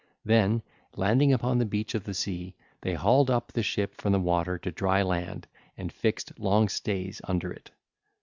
Then, landing upon the beach of the sea, they hauled up the ship from the water to dry land and fixed long stays under it.